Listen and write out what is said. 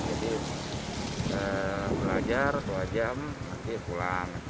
jadi belajar dua jam nanti pulang